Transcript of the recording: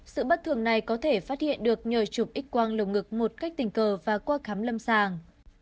sự bất thường này có thể phát hiện được nhờ chụp x quang lồng ngực một cách tình cờ và qua khám lâm sàng